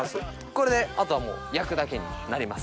これであとはもう焼くだけになります。